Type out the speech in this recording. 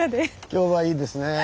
今日はいいですねぇ。